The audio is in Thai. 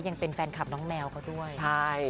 ยังเป็นแฟนคลับน้องแมวเขาด้วยใช่